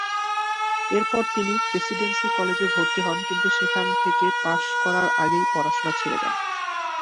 এরপর তিনি প্রেসিডেন্সী কলেজে ভর্তি হন কিন্তু সেখান থেকে পাশ করার আগেই পড়াশোনা ছেড়ে দেন।